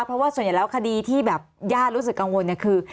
เพราะว่าส่วนใหญ่แล้วคดีที่แบบญาติรู้สึกกังวลเนี่ยคือ